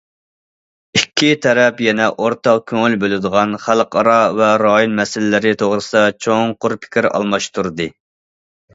ئىككى تەرەپ يەنە ئورتاق كۆڭۈل بۆلىدىغان خەلقئارا ۋە رايون مەسىلىلىرى توغرىسىدا چوڭقۇر پىكىر ئالماشتۇردى.